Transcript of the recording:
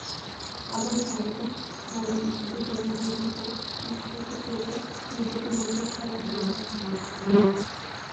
আবার সারদা, নারদ ইত্যাদি কেলেঙ্কারি থেকে নিষ্কৃতি পেতে বিজেপি নতুন খেলা খেলেছে।